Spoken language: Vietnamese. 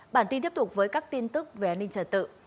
bản tin tiếp tục với các tin tức về an ninh trật tự